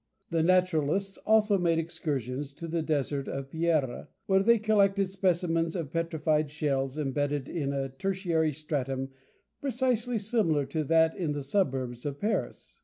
The naturalists also made excursions to the desert of Pierra, where they collected specimens of petrified shells imbedded in a tertiary stratum precisely similar to that in the suburbs of Paris.